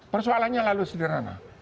persoalannya lalu sederhana